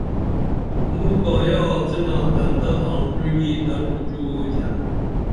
مُوں کایہ آڅِنا دنتہ آنگُعی گی در پُچُو اُئتھن